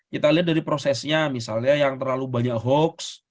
kita lihat dari prosesnya misalnya yang terlalu banyak hoax